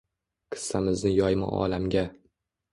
… Qissamizni yoyma olamga